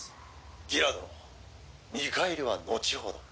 「ギラ殿見返りはのちほど」